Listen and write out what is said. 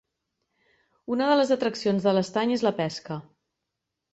Una de les atraccions de l'estany és la pesca.